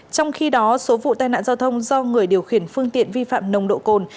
trong khi đó số vụ tai nạn giao thông do người điều khiển phương tiện vi phạm nồng độ cồn